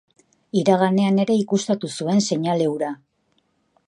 Iraganean ere ikustatu zuen seinale hura...